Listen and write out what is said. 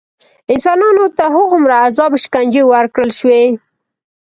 انسانانو ته هغومره عذاب او شکنجې ورکړل شوې.